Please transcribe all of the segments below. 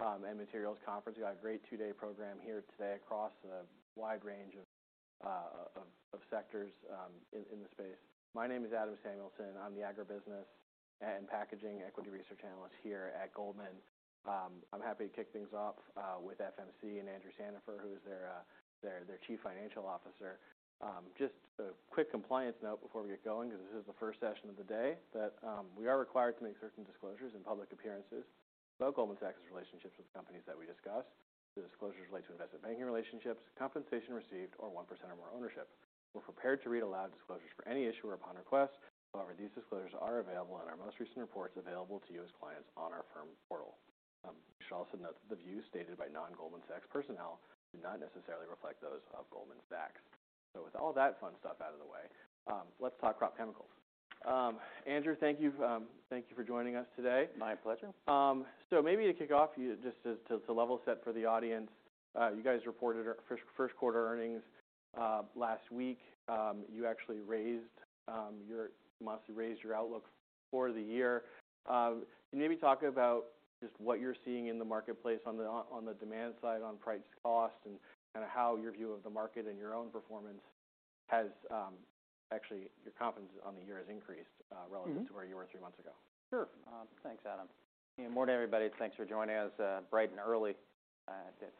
Materials Conference. We got a great two-day program here today across a wide range of sectors in the space. My name is Adam Samuelson. I'm the agribusiness and packaging equity research analyst here at Goldman. I'm happy to kick things off with FMC and Andrew Sandifer, who is their Chief Financial Officer. Just a quick compliance note before we get going, because this is the first session of the day, that we are required to make certain disclosures in public appearances about Goldman Sachs' relationships with companies that we discuss. The disclosures relate to investment banking relationships, compensation received, or 1% or more ownership. We're prepared to read aloud disclosures for any issuer upon request. These disclosures are available in our most recent reports available to you as clients on our firm portal. You should also note that the views stated by non-Goldman Sachs personnel do not necessarily reflect those of Goldman Sachs. With all that fun stuff out of the way, let's talk crop chemicals. Andrew, thank you, thank you for joining us today. My pleasure. Maybe to kick off, just to level set for the audience, you guys reported your first quarter earnings last week. You actually raised, you must have raised your outlook for the year. Can you maybe talk about just what you're seeing in the marketplace on the demand side, on price cost, and kinda how your view of the market and your own performance has, actually your confidence on the year has increased, relative to where you were three months ago. Sure. Thanks, Adam. Morning, everybody. Thanks for joining us bright and early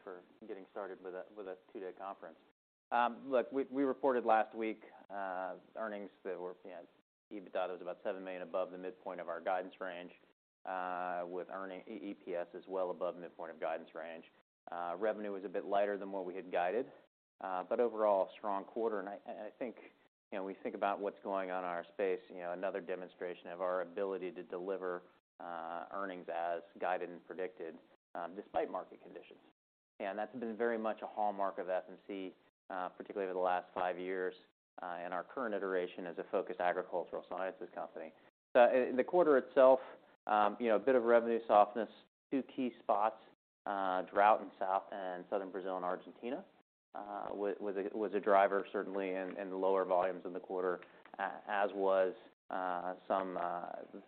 for getting started with a two-day conference. Look, we reported last week earnings that were, you know, EBITDA was about $7 million above the midpoint of our guidance range, with EPS as well above midpoint of guidance range. Revenue was a bit lighter than what we had guided, but overall a strong quarter. I think, you know, we think about what's going on in our space, you know, another demonstration of our ability to deliver earnings as guided and predicted despite market conditions. That's been very much a hallmark of FMC, particularly the last five years, in our current iteration as a focused agricultural sciences company. In the quarter itself, you know, a bit of revenue softness. Two key spots, drought in South and Southern Brazil and Argentina, was a driver certainly in the lower volumes in the quarter, as was some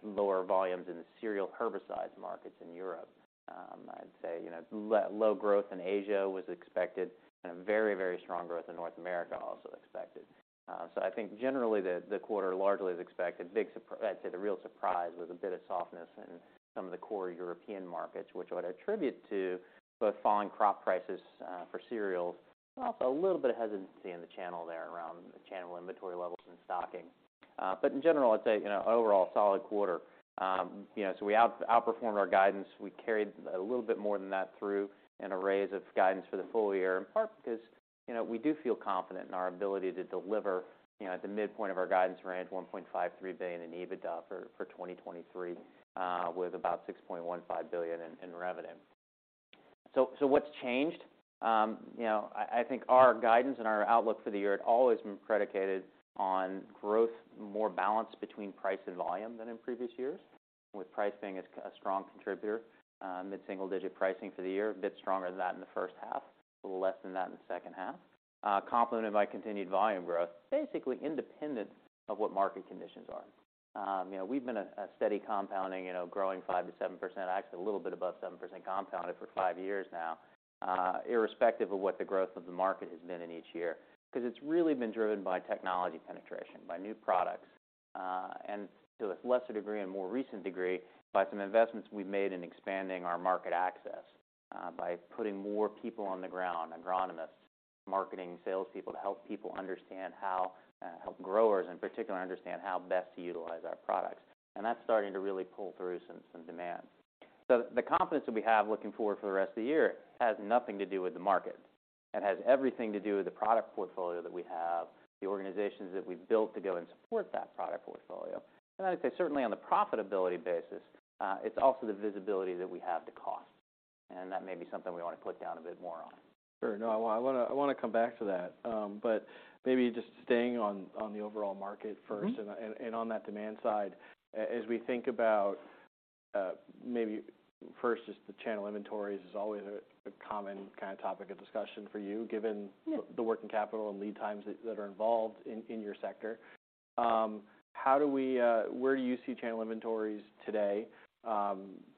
lower volumes in the cereal herbicides markets in Europe. I'd say, you know, low growth in Asia was expected, and a very, very strong growth in North America also expected. I think generally the quarter largely as expected. I'd say the real surprise was a bit of softness in some of the core European markets, which I would attribute to both falling crop prices for cereals, and also a little bit of hesitancy in the channel there around the channel inventory levels and stocking. In general, I'd say, you know, overall a solid quarter. You know, we outperformed our guidance. We carried a little bit more than that through in a raise of guidance for the full-year, in part because, you know, we do feel confident in our ability to deliver, you know, at the midpoint of our guidance range, $1.53 billion in EBITDA for 2023, with about $6.15 billion in revenue. What's changed? You know, I think our guidance and our outlook for the year had always been predicated on growth more balanced between price and volume than in previous years, with price being a strong contributor. Mid-single digit pricing for the year, a bit stronger than that in the first half, a little less than that in the second half. Complemented by continued volume growth, basically independent of what market conditions are. You know, we've been a steady compounding, you know, growing 5%-7%, actually a little bit above 7% compounded for five years now, irrespective of what the growth of the market has been in each year. 'Cause it's really been driven by technology penetration, by new products, and to a lesser degree and more recent degree, by some investments we've made in expanding our market access, by putting more people on the ground, agronomists, marketing salespeople, to help people understand how, help growers in particular understand how best to utilize our products. That's starting to really pull through some demand. The confidence that we have looking forward for the rest of the year has nothing to do with the market and has everything to do with the product portfolio that we have, the organizations that we've built to go and support that product portfolio. I'd say certainly on the profitability basis, it's also the visibility that we have to cost, and that may be something we wanna put down a bit more on. Sure. No, I wanna come back to that. Maybe just staying on the overall market first. On that demand side, as we think about, maybe first just the channel inventories is always a common kinda topic of discussion for you, given the working capital and lead times that are involved in your sector. How do we where do you see channel inventories today,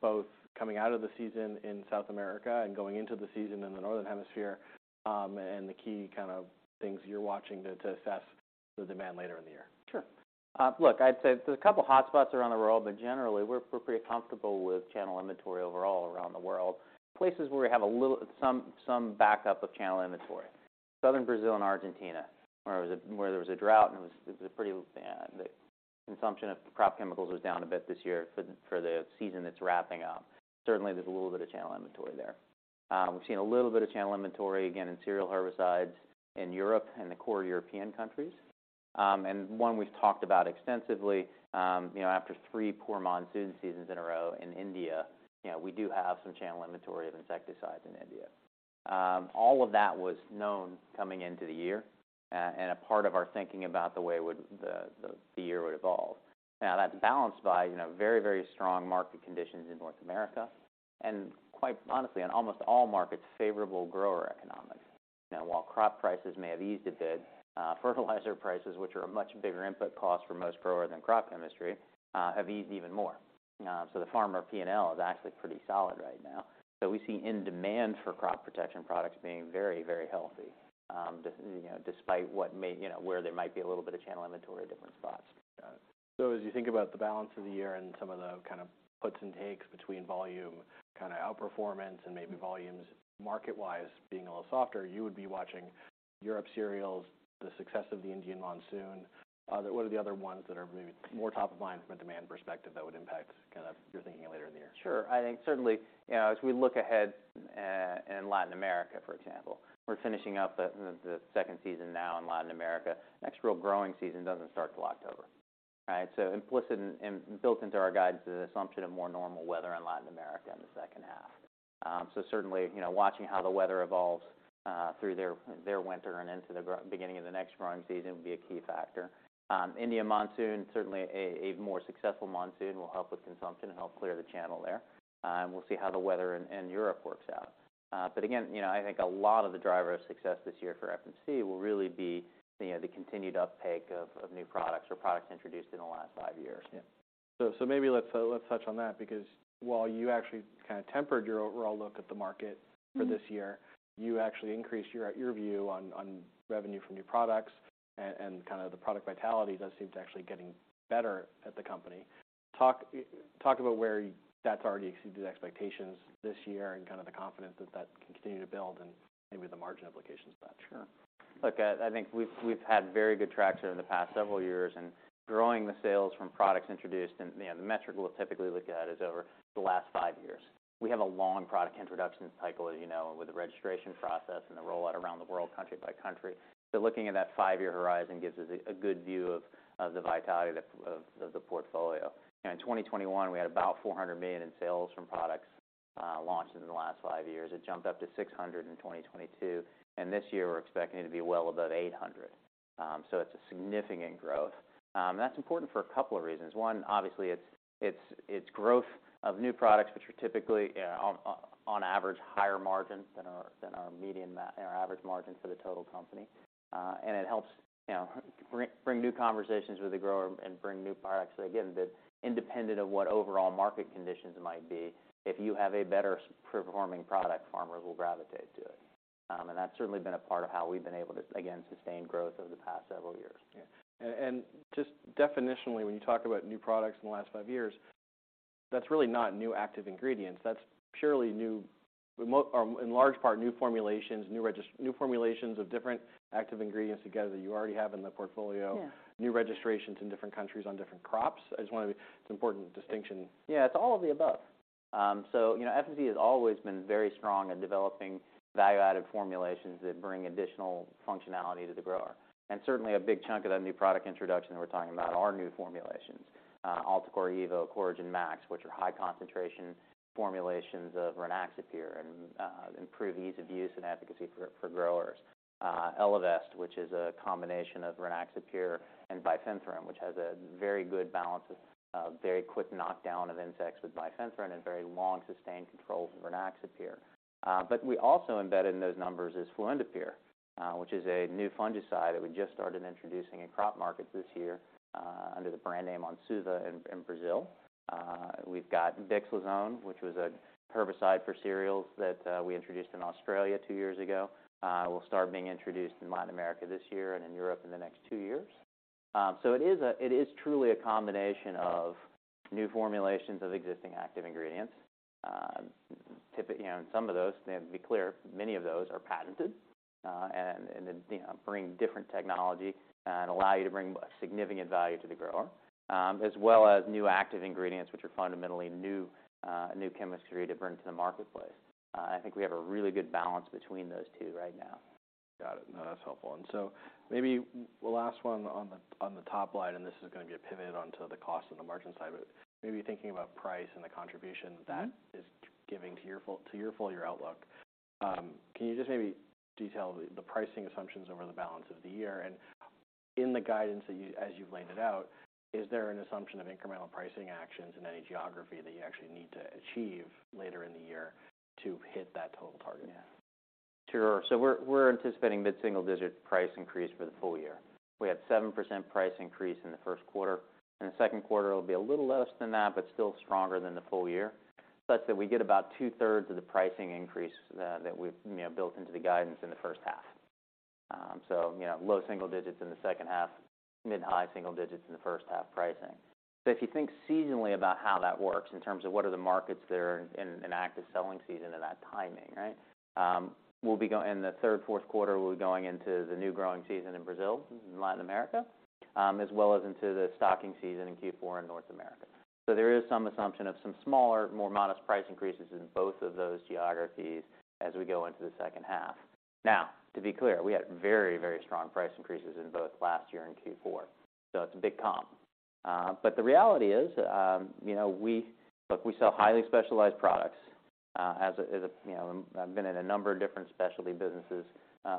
both coming out of the season in South America and going into the season in the Northern Hemisphere, and the key kind of things you're watching to assess the demand later in the year? Sure. Look, I'd say there's a couple hotspots around the world, but generally we're pretty comfortable with channel inventory overall around the world. Places where we have some backup of channel inventory. Southern Brazil and Argentina, where there was a drought and it was, it was a pretty, the consumption of crop chemicals was down a bit this year for the, for the season that's wrapping up. Certainly there's a little bit of channel inventory there. We've seen a little bit of channel inventory again in cereal herbicides in Europe and the core European countries. And one we've talked about extensively, you know, after three poor monsoon seasons in a row in India, you know, we do have some channel inventory of insecticides in India. All of that was known coming into the year, and a part of our thinking about the way the year would evolve. Now, that's balanced by, you know, very, very strong market conditions in North America, and quite honestly, on almost all markets, favorable grower economics. You know, while crop prices may have eased a bit, fertilizer prices, which are a much bigger input cost for most growers than crop chemistry, have eased even more. The farmer P&L is actually pretty solid right now. We see in-demand for crop protection products being very, very healthy, just, you know, despite where there might be a little bit of channel inventory in different spots. Got it. As you think about the balance of the year and some of the kind of puts and takes between volume kinda outperformance and maybe volumes market-wise being a little softer, you would be watching Europe cereals, the success of the Indian monsoon. What are the other ones that are maybe more top of mind from a demand perspective that would impact kind of your thinking later in the year? Sure. I think certainly, you know, as we look ahead in Latin America, for example, we're finishing up the second season now in Latin America. Next real growing season doesn't start till October, right? Implicit and built into our guidance is an assumption of more normal weather in Latin America in the second half. Certainly, you know, watching how the weather evolves through their winter and into the beginning of the next growing season would be a key factor. India monsoon, certainly a more successful monsoon will help with consumption and help clear the channel there. And we'll see how the weather in Europe works out. Again, you know, I think a lot of the driver of success this year for FMC will really be, you know, the continued uptake of new products or products introduced in the last five years. Yeah. Maybe let's touch on that because while you actually kind of tempered your overall look at the market for this year, you actually increased your view on revenue from new products and kind of the product vitality does seem to actually getting better at the company. Talk about where that's already exceeded expectations this year and kind of the confidence that can continue to build and maybe the margin implications of that? Sure. Look, I think we've had very good traction over the past several years. Growing the sales from products introduced and, you know, the metric we'll typically look at is over the last five years. We have a long product introduction cycle, as you know, with the registration process and the rollout around the world country by country. Looking at that five-year horizon gives us a good view of the vitality of the portfolio. In 2021, we had about $400 million in sales from products launched in the last five years. It jumped up to $600 million in 2022. This year we're expecting it to be well above $800 million. It's a significant growth. That's important for a couple of reasons. Obviously it's growth of new products, which are typically on average higher margins than our median or average margin for the total company. It helps, you know, bring new conversations with the grower and bring new products. Again, the independent of what overall market conditions might be, if you have a better performing product, farmers will gravitate to it. That's certainly been a part of how we've been able to, again, sustain growth over the past several years. Yeah. Just definitionally, when you talk about new products in the last five years, that's really not new active ingredients. That's purely new or in large part, new formulations of different active ingredients together that you already have in the portfolio. Yeah. New registrations in different countries on different crops. It's an important distinction. It's all of the above. You know, FMC has always been very strong in developing value-added formulations that bring additional functionality to the grower. Certainly a big chunk of that new product introduction we're talking about are new formulations. Altacor eVo, Coragen MaX, which are high concentration formulations of Rynaxypyr and improve ease of use and efficacy for growers. Elevest, which is a combination of Rynaxypyr and bifenthrin, which has a very good balance of very quick knockdown of insects with bifenthrin and very long sustained control for Rynaxypyr. We also embedded in those numbers is fluindapyr, which is a new fungicide that we just started introducing in crop markets this year under the brand name Onsuva in Brazil. We've got bixlozone, which was a herbicide for cereals that we introduced in Australia two years ago. Will start being introduced in Latin America this year and in Europe in the next two years. It is truly a combination of new formulations of existing active ingredients. You know, some of those, to be clear, many of those are patented, and, you know, bring different technology and allow you to bring significant value to the grower. As well as new active ingredients, which are fundamentally new chemistry to bring to the marketplace. I think we have a really good balance between those two right now. Got it. No, that's helpful. Maybe the last one on the, on the top line, and this is gonna be a pivot onto the cost and the margin side but maybe thinking about price and the contribution that is giving to your full-year outlook. Can you just maybe detail the pricing assumptions over the balance of the year? In the guidance as you've laid it out, is there an assumption of incremental pricing actions in any geography that you actually need to achieve later in the year to hit that total target? Sure. We're anticipating mid-single-digit price increase for the full-year. We had 7% price increase in the first quarter, and the second quarter will be a little less than that but still stronger than the full-year, such that we get about two-thirds of the pricing increase that we've, you know, built into the guidance in the first half. You know, low single digits in the second half, mid-high single digits in the first half pricing. If you think seasonally about how that works in terms of what are the markets that are in active selling season and that timing, right? In the third, fourth quarter, we'll be going into the new growing season in Brazil, in Latin America, as well as into the stocking season in Q4 in North America. There is some assumption of some smaller, more modest price increases in both of those geographies as we go into the second half. Now, to be clear, we had very, very strong price increases in both last year and Q4, so it's a big comp. But the reality is, you know, Look, we sell highly specialized products. You know, I've been in a number of different specialty businesses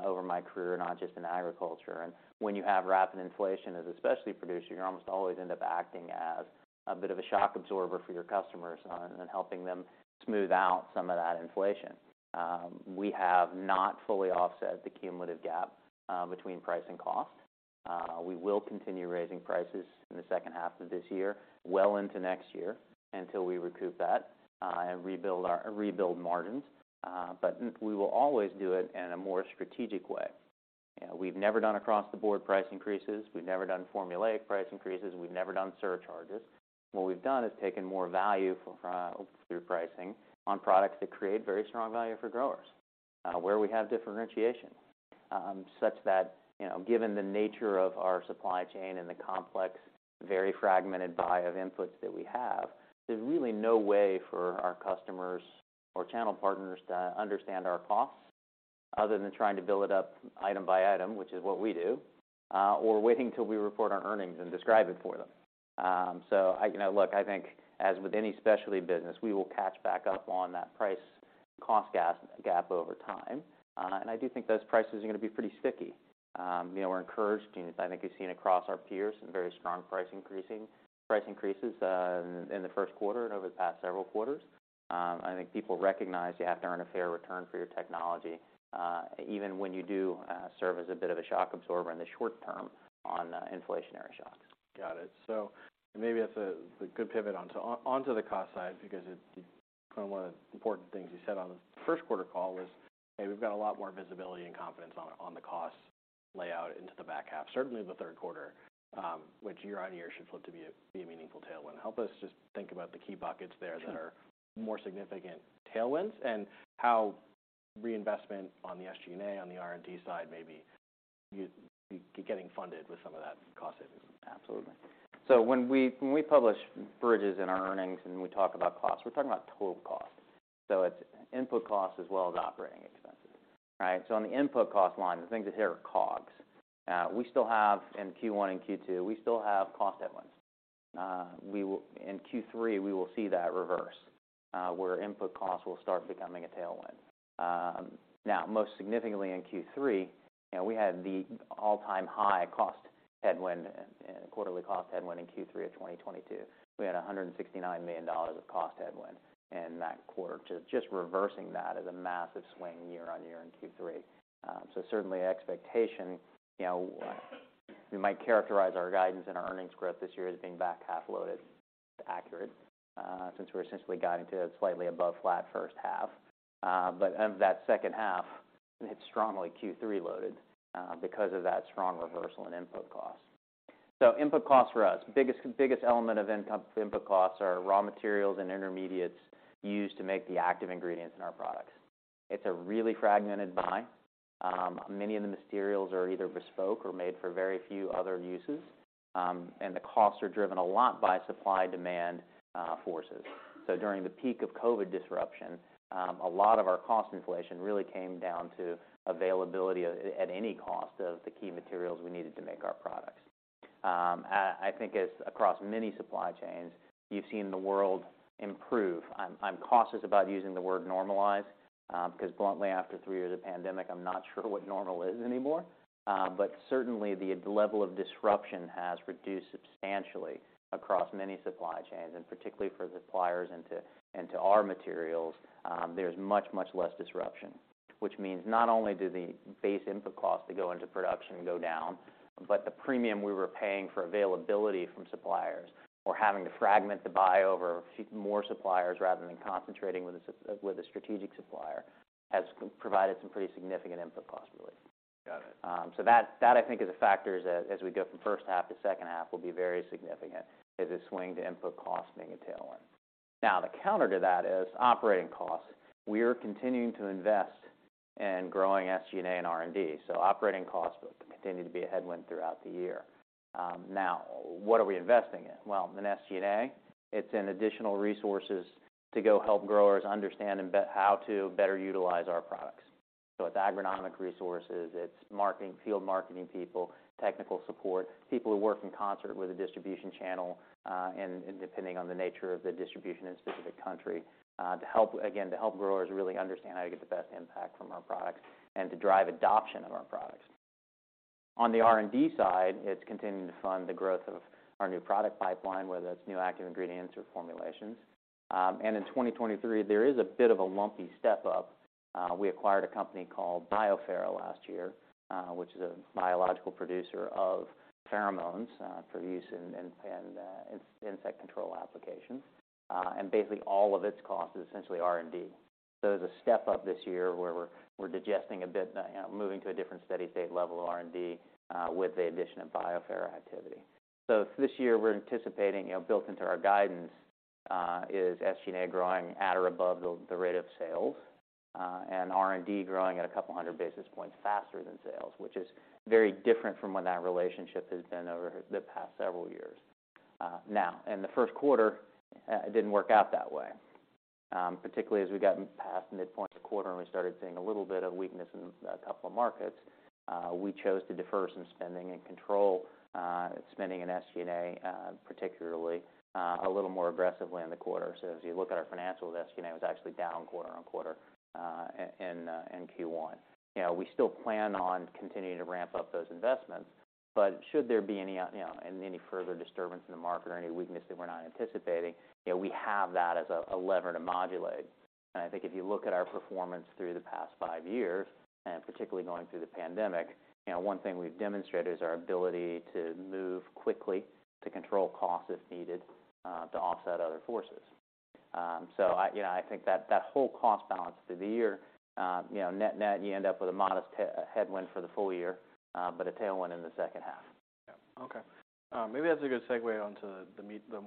over my career, not just in agriculture. When you have rapid inflation as a specialty producer, you're almost always end up acting as a bit of a shock absorber for your customers on, and helping them smooth out some of that inflation. We have not fully offset the cumulative gap between price and cost. We will continue raising prices in the second half of this year, well into next year, until we recoup that and rebuild margins. We will always do it in a more strategic way. You know, we've never done across the board price increases, we've never done formulaic price increases, we've never done surcharges. What we've done is taken more value through pricing on products that create very strong value for growers, where we have differentiation, such that, you know, given the nature of our supply chain and the complex, very fragmented buy of inputs that we have, there's really no way for our customers or channel partners to understand our costs other than trying to build it up item by item, which is what we do, or waiting till we report our earnings and describe it for them. I, you know, look, I think as with any specialty business, we will catch back up on that price cost gap over time. I do think those prices are gonna be pretty sticky. You know, we're encouraged. You know, I think you've seen across our peers some very strong price increases in the first quarter and over the past several quarters. I think people recognize you have to earn a fair return for your technology, even when you do serve as a bit of a shock absorber in the short term on inflationary shocks. Maybe that's a good pivot onto the cost side because You know, one of the important things you said on the first quarter call was, "Hey, we've got a lot more visibility and confidence on the cost layout into the back half," certainly the third quarter, which year-on-year should flip to be a meaningful tailwind. Help us just think about the key buckets there that are more significant tailwinds and how reinvestment on the SG&A, on the R&D side, maybe you'd be getting funded with some of that cost savings. Absolutely. When we publish bridges in our earnings and we talk about costs, we're talking about total costs. It's input costs as well as operating expenses, right? On the input cost line, the thing to hear are COGS. We still have in Q1 and Q2 cost headwinds. In Q3, we will see that reverse, where input costs will start becoming a tailwind. Now most significantly in Q3, you know, we had the all-time high cost headwind and quarterly cost headwind in Q3 of 2022. We had $169 million of cost headwind in that quarter. Just reversing that is a massive swing year-on-year in Q3. Certainly expectation, you know, we might characterize our guidance and our earnings growth this year as being back half loaded, accurate, since we're essentially guiding to slightly above flat first half. But of that second half, it's strongly Q3 loaded, because of that strong reversal in input costs. Input costs for us. Biggest element of input costs are raw materials and intermediates used to make the active ingredients in our products. It's a really fragmented buy. Many of the materials are either bespoke or made for very few other uses. And the costs are driven a lot by supply-demand forces. During the peak of COVID disruption, a lot of our cost inflation really came down to availability at any cost of the key materials we needed to make our products. I think as across many supply chains, you've seen the world improve. I'm cautious about using the word normalize, because bluntly, after three years of pandemic, I'm not sure what normal is anymore. Certainly the level of disruption has reduced substantially across many supply chains, and particularly for suppliers into our materials, there's much, much less disruption, which means not only do the base input costs to go into production go down, but the premium we were paying for availability from suppliers or having to fragment the buy over more suppliers rather than concentrating with a strategic supplier, has provided some pretty significant input cost relief. Got it. That I think is a factor as we go from first half to second half will be very significant as a swing to input cost being a tailwind. The counter to that is operating costs. We are continuing to invest in growing SG&A and R&D. Operating costs will continue to be a headwind throughout the year. What are we investing in? Well, in SG&A, it's in additional resources to go help growers understand how to better utilize our products. It's agronomic resources, it's marketing, field marketing people, technical support, people who work in concert with the distribution channel, and depending on the nature of the distribution in a specific country, to help growers really understand how to get the best impact from our products and to drive adoption of our products. On the R&D side, it's continuing to fund the growth of our new product pipeline, whether it's new active ingredients or formulations. In 2023, there is a bit of a lumpy step-up. We acquired a company called BioPhero last year, which is a biological producer of pheromones for use in insect control applications. Basically all of its cost is essentially R&D. There's a step-up this year where we're digesting a bit, you know, moving to a different steady state level of R&D with the addition of BioPhero activity. This year we're anticipating, you know, built into our guidance, is SG&A growing at or above the rate of sales, and R&D growing at 200 basis points faster than sales, which is very different from what that relationship has been over the past several years. Now in the first quarter, it didn't work out that way. Particularly as we got past midpoint of the quarter and we started seeing a little bit of weakness in two markets, we chose to defer some spending and control spending in SG&A, particularly a little more aggressively in the quarter. As you look at our financials, SG&A was actually down quarter-on-quarter in Q1. You know, we still plan on continuing to ramp up those investments, but should there be any, you know, any further disturbance in the market or any weakness that we're not anticipating, you know, we have that as a lever to modulate. I think if you look at our performance through the past five years, and particularly going through the pandemic, you know, one thing we've demonstrated is our ability to move quickly to control costs if needed, to offset other forces. I, you know, I think that whole cost balance through the year, you know, net-net, you end up with a modest headwind for the full-year, but a tailwind in the second half. Yeah. Okay. Maybe that's a good segue on to the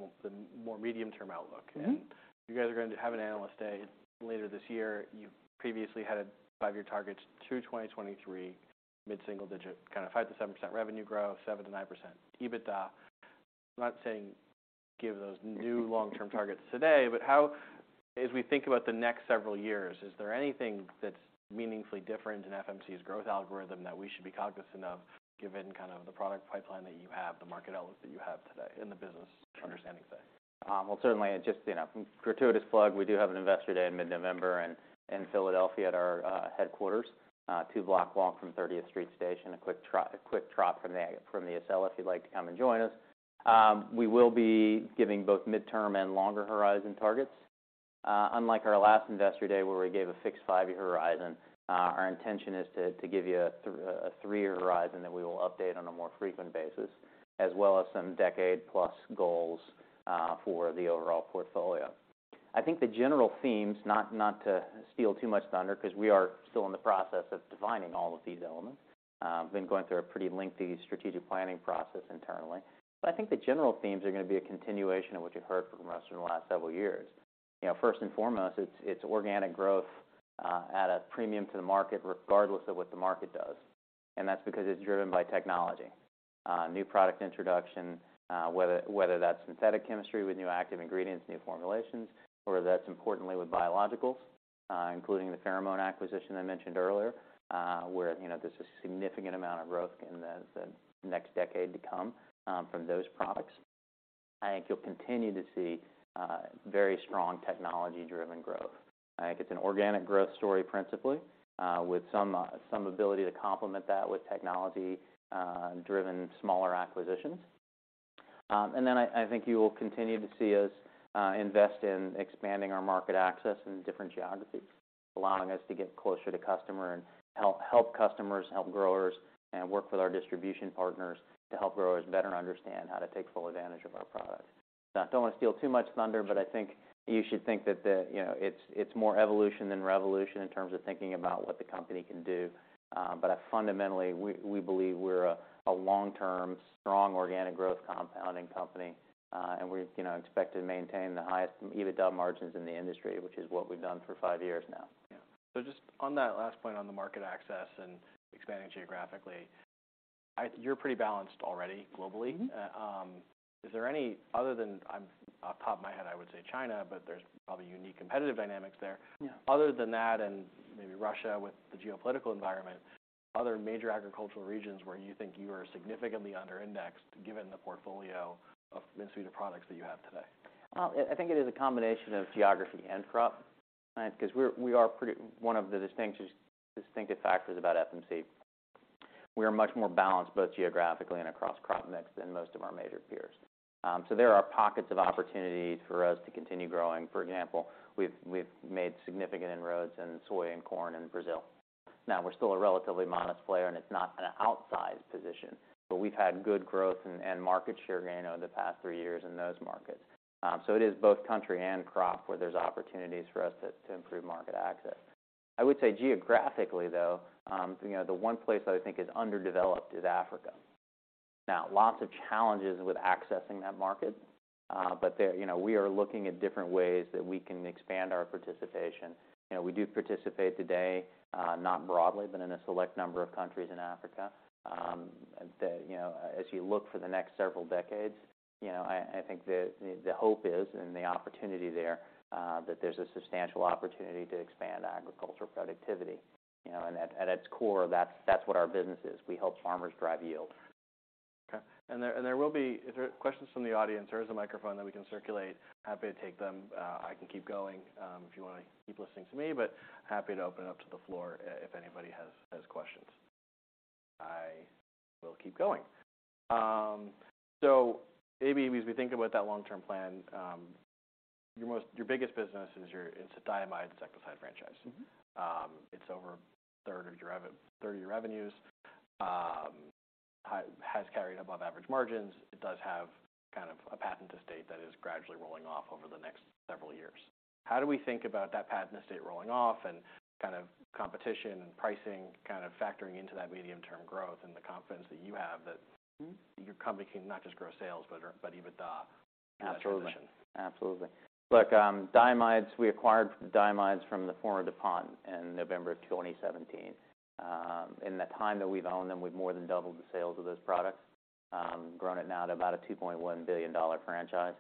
more medium-term outlook. You guys are going to have an Analyst Day later this year. You previously had five-year targets through 2023, mid-single-digit, kind of 5%-7% revenue growth, 7%-9% EBITDA. I'm not saying give those new long-term targets today. As we think about the next several years, is there anything that's meaningfully different in FMC's growth algorithm that we should be cognizant of given kind of the product pipeline that you have, the market outlets that you have today, and the business understanding today? Well, certainly just, you know, gratuitous plug, we do have an Investor Day in mid-November in Philadelphia at our headquarters, a two block walk from 30th Street Station, a quick trot from the Acela if you'd like to come and join us. We will be giving both midterm and longer horizon targets. Unlike our last Investor Day where we gave a fixed five-year horizon, our intention is to give you a three-year horizon that we will update on a more frequent basis, as well as some decade-plus goals for the overall portfolio. I think the general themes, not to steal too much thunder because we are still in the process of defining all of these elements, been going through a pretty lengthy strategic planning process internally. I think the general themes are gonna be a continuation of what you've heard from us in the last several years. You know, first and foremost, it's organic growth at a premium to the market regardless of what the market does, and that's because it's driven by technology. New product introduction, whether that's synthetic chemistry with new active ingredients, new formulations, or that's importantly with biologicals, including the pheromone acquisition I mentioned earlier, where, you know, there's a significant amount of growth in the next decade to come from those products. I think you'll continue to see very strong technology-driven growth. I think it's an organic growth story principally with some ability to complement that with technology driven smaller acquisitions. I think you will continue to see us invest in expanding our market access in different geographies, allowing us to get closer to customer and help customers, help growers, and work with our distribution partners to help growers better understand how to take full advantage of our products. Now, I don't want to steal too much thunder, I think you should think that, you know, it's more evolution than revolution in terms of thinking about what the company can do. Fundamentally, we believe we're a long-term, strong organic growth compounding company, and we, you know, expect to maintain the highest EBITDA margins in the industry, which is what we've done for five years now. Yeah. Just on that last point on the market access and expanding geographically, you're pretty balanced already globally. Is there any, other than. Off the top of my head, I would say China, but there's probably unique competitive dynamics there. Yeah. Other than that, and maybe Russia with the geopolitical environment, other major agricultural regions where you think you are significantly under-indexed given the portfolio of the suite of products that you have today? Well, I think it is a combination of geography and crop, right? 'Cause we are pretty distinctive factors about FMC, we are much more balanced both geographically and across crop mix than most of our major peers. There are pockets of opportunities for us to continue growing. For example, we've made significant inroads in soy and corn in Brazil. Now, we're still a relatively modest player, and it's not an outsized position, but we've had good growth and market share gain over the past three years in those markets. It is both country and crop where there's opportunities for us to improve market access. I would say geographically, though, you know, the one place that I think is underdeveloped is Africa. Lots of challenges with accessing that market, but there, you know, we are looking at different ways that we can expand our participation. You know, we do participate today, not broadly, but in a select number of countries in Africa, that, you know, as you look for the next several decades, you know, I think the hope is and the opportunity there, that there's a substantial opportunity to expand agricultural productivity. You know, at its core, that's what our business is. We help farmers drive yield. Okay. There, and there will be. If there are questions from the audience, there is a microphone that we can circulate. Happy to take them. I can keep going, if you wanna keep listening to me, but happy to open it up to the floor if anybody has questions. I will keep going. Maybe as we think about that long-term plan, your biggest business is a diamide insecticide franchise. It's over 1/3 of your revenues. Has carried above average margins. It does have kind of a patent estate that is gradually rolling off over the next several years. How do we think about that patent estate rolling off and kind of competition and pricing kind of factoring into that medium-term growth and the confidence that you have? Your company can not just grow sales, but EBITDA in that transition? Absolutely. Absolutely. Look, diamides, we acquired the diamides from the former DuPont in November of 2017. In the time that we've owned them, we've more than doubled the sales of those products, grown it now to about a $2.1 billion franchise.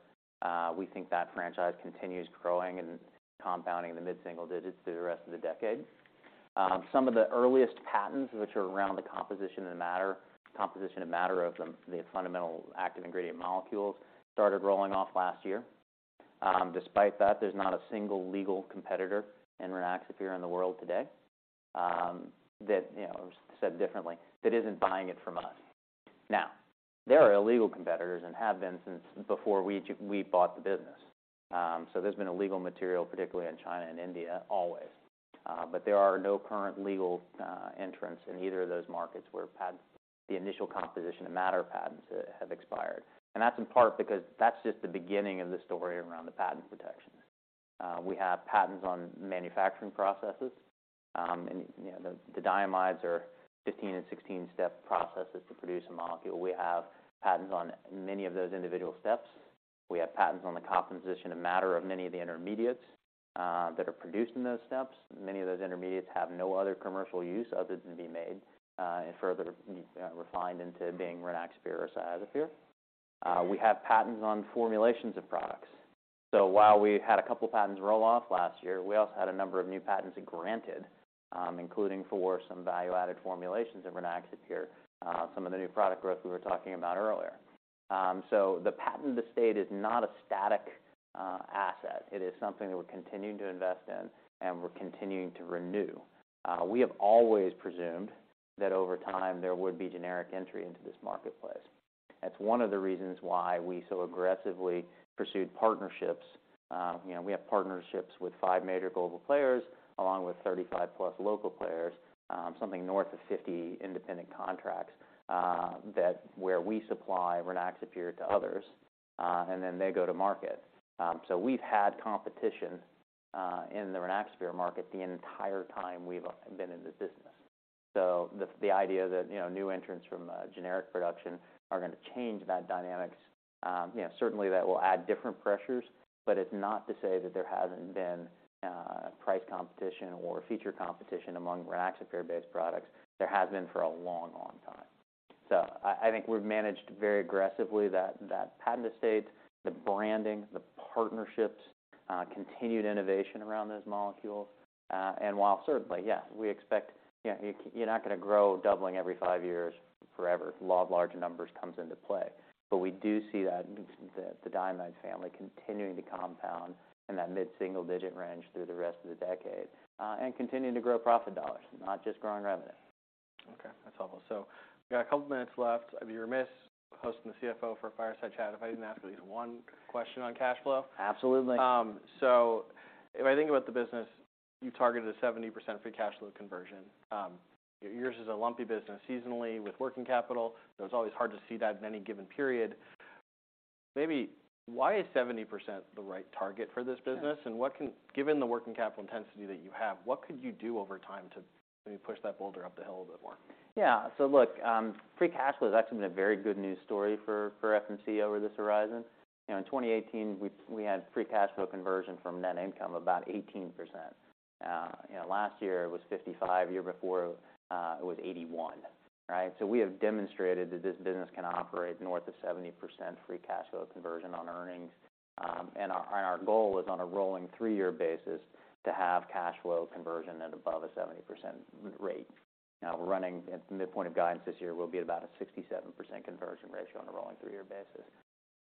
We think that franchise continues growing and compounding in the mid-single digits through the rest of the decade. Some of the earliest patents, which are around the composition of matter of the fundamental active ingredient molecules, started rolling off last year. Despite that, there's not a single legal competitor in Rynaxypyr in the world today, that, you know, said differently, that isn't buying it from us. Now, there are illegal competitors and have been since before we bought the business. There's been illegal material, particularly in China and India, always. There are no current legal entrants in either of those markets where the initial composition of matter patents have expired. That's in part because that's just the beginning of the story around the patent protections. We have patents on manufacturing processes. You know, the diamides are 15 and 16-step processes to produce a molecule. We have patents on many of those individual steps. We have patents on the composition of matter of many of the intermediates that are produced in those steps. Many of those intermediates have no other commercial use other than be made and further be refined into being Rynaxypyr or Cyazypyr. We have patents on formulations of products. While we had a couple patents roll off last year, we also had a number of new patents granted, including for some value-added formulations of Rynaxypyr, some of the new product growth we were talking about earlier. The patent estate is not a static asset. It is something that we're continuing to invest in and we're continuing to renew. We have always presumed that over time there would be generic entry into this marketplace. That's one of the reasons why we so aggressively pursued partnerships. You know, we have partnerships with five major global players, along with 35+ local players, something north of 50 independent contracts, that where we supply Rynaxypyr to others, and then they go to market. We've had competition in the Rynaxypyr market the entire time we've been in the business. The idea that, you know, new entrants from generic production are gonna change that dynamics, you know, certainly that will add different pressures, but it's not to say that there hasn't been price competition or feature competition among Rynaxypyr-based products. There has been for a long, long time. I think we've managed very aggressively that patent estate, the branding, the partnerships, continued innovation around those molecules. And while certainly, yes, we expect, you know, you're not gonna grow doubling every five years forever. Law of large numbers comes into play. We do see that the diamide family continuing to compound in that mid-single digit range through the rest of the decade, and continuing to grow profit dollars, not just growing revenue. That's helpful. We got a couple minutes left. I'd be remiss hosting the CFO for a fireside chat if I didn't ask at least one question on cash flow. Absolutely. If I think about the business, you targeted a 70% free cash flow conversion. Yours is a lumpy business seasonally with working capital, so it's always hard to see that in any given period. Maybe why is 70% the right target for this business? Yeah. Given the working capital intensity that you have, what could you do over time to maybe push that boulder up the hill a bit more? Look, free cash flow has actually been a very good news story for FMC over this horizon. You know, in 2018, we had free cash flow conversion from net income about 18%. You know, last year it was 55%, year before, it was 81%, right? We have demonstrated that this business can operate north of 70% free cash flow conversion on earnings. And our goal is on a rolling three-year basis to have cash flow conversion at above a 70% rate. Now we're running at the midpoint of guidance this year, we'll be at about a 67% conversion ratio on a rolling three-year basis.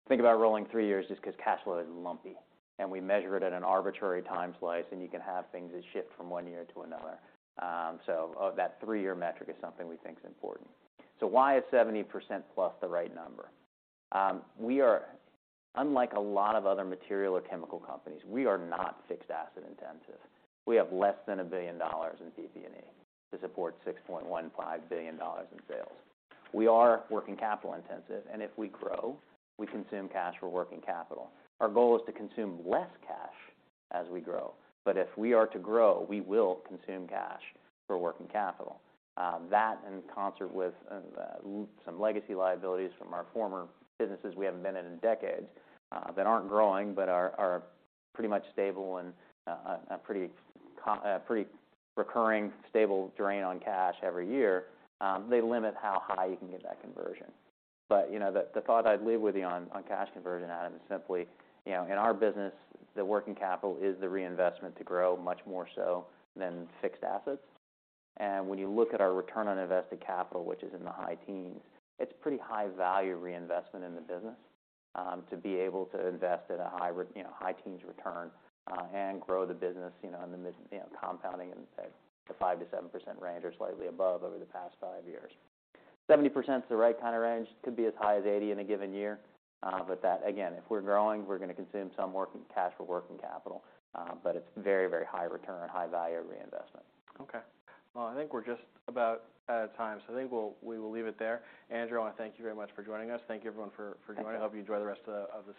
Think about rolling three years just 'cause cash flow is lumpy, and we measure it at an arbitrary time slice, and you can have things that shift from one year to another. That three-year metric is something we think is important. Why is 70%+ the right number? Unlike a lot of other material or chemical companies, we are not fixed asset intensive. We have less than $1 billion in PP&E to support $6.15 billion in sales. We are working capital intensive, and if we grow, we consume cash for working capital. Our goal is to consume less cash as we grow. If we are to grow, we will consume cash for working capital. That in concert with some legacy liabilities from our former businesses we haven't been in in decades, that aren't growing, but are pretty much stable and a pretty recurring, stable drain on cash every year. They limit how high you can get that conversion. You know, the thought I'd leave with you on cash conversion, Adam, is simply, you know, in our business, the working capital is the reinvestment to grow much more so than fixed assets. When you look at our return on invested capital, which is in the high teens, it's pretty high value reinvestment in the business, to be able to invest at a high teens return, and grow the business, compounding in the 5%-7% range or slightly above over the past five years. 70% is the right kind of range. Could be as high as 80 in a given year. But that, again, if we're growing, we're gonna consume some working cash for working capital. But it's very, very high return, high value reinvestment. Well, I think we're just about out of time, so I think we will leave it there. Andrew, I wanna thank you very much for joining us. Thank you, everyone, for joining. Thank you. Hope you enjoy the rest of the session.